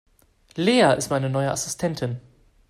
Lea ist meine neue Assistentin.